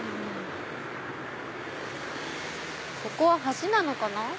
ここは橋なのかな？